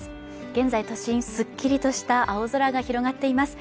現在都心すっきりとした青空が広がっています